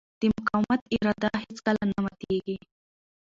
د مقاومت اراده هېڅکله نه ماتېږي.